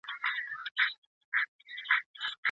که ستا غوښتنه ډېره قوي وي نو بریا به ستا په برخه سي.